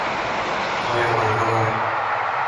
我有辦法啦